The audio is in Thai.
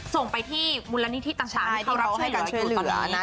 ส่งไปที่มูลนิธิต่างที่เขารับช่วยเหลือนะ